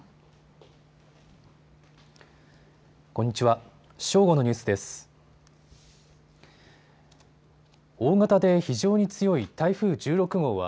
こんにちは。